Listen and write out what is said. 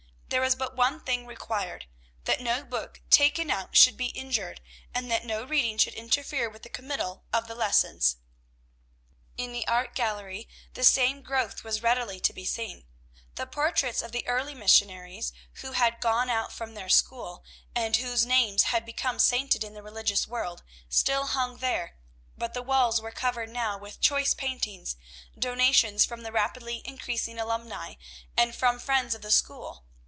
There was but one thing required, that no book taken out should be injured, and that no reading should interfere with the committal of the lessons. In the art gallery the same growth was readily to be seen. The portraits of the early missionaries who had gone out from the school, and whose names had become sainted in the religious world, still hung there; but the walls were covered now with choice paintings, donations from the rapidly increasing alumnæ, and from friends of the school.